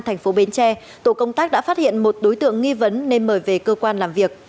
thành phố bến tre tổ công tác đã phát hiện một đối tượng nghi vấn nên mời về cơ quan làm việc